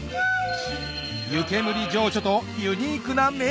湯煙情緒とユニークな名物！